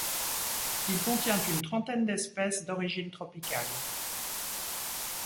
Il contient une trentaine d'espèces d'origine tropicale.